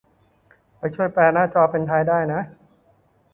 ไปช่วยแปลหน้าจอเป็นไทยได้นะ